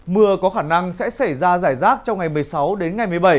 mưa có khả năng sẽ xảy ra giải rác trong ngày một mươi sáu đến ngày một mươi bảy